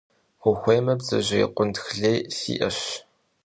Vuxuêyme, bdzejêy khuitx lêy si'eş.